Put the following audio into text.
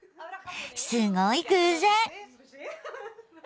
すごい偶然！